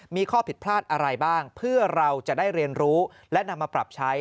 มีข้อผิดพลาดอะไรบ้างเพื่อเราจะได้เรียนรู้และนำมาปรับใช้